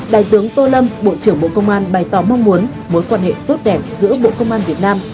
đại tướng tô lâm bộ trưởng bộ công an bày tỏ mong muốn mối quan hệ tốt đẹp giữa bộ công an việt nam